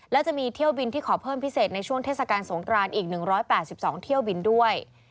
และจะมีเที่ยวบินที่ขอเพิ่มพิเศษในช่วงเทศกาลสงครานอีก๑๘๒เที่ยวบินด้วย